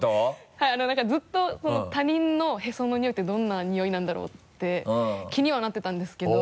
はい何かずっと他人のへそのニオイってどんなニオイなんだろうって気にはなってたんですけど。